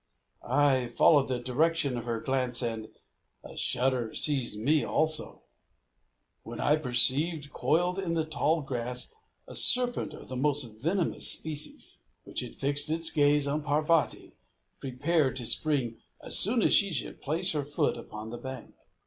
I followed the direction of her glance, and a shudder seized me also, when I perceived, coiled in the tall grass, a serpent of the most venomous species, which had fixed its gaze on Parvati, prepared to spring as soon as she should place foot upon the bank.